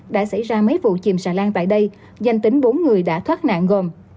đã xảy ra mấy vụ chìm xà lan tại đây danh tính bốn người đã thoát nạn gồm